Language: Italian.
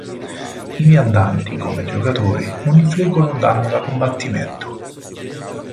I viandanti, come i giocatori, non infliggono danno da combattimento.